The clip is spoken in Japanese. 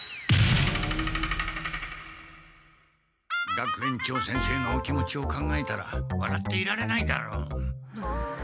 学園長先生のお気持ちを考えたらわらっていられないだろう？